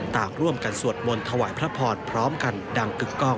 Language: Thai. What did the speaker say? ต่างร่วมกันสวดมนต์ถวายพระพรพร้อมกันดังกึกกล้อง